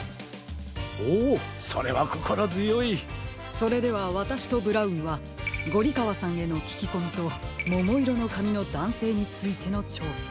それではわたしとブラウンはゴリかわさんへのききこみとももいろのかみのだんせいについてのちょうさ。